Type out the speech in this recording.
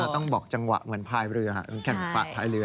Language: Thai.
ต้องบอกจังหวะเหมือนพายเรือแข่งฝากพายเรือ